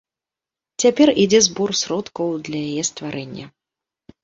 Цяпер ідзе збор сродкаў для яе стварэння.